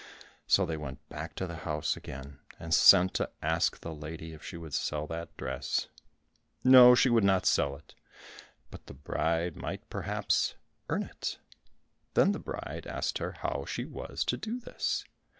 So they went back to the house again, and sent to ask the lady if she would sell that dress. No, she would not sell it, but the bride might perhaps earn it. Then the bride asked her how she was to do this?